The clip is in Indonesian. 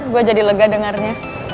gue jadi lega dengarnya